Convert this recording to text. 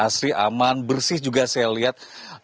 asri aman bersih juga saya lihat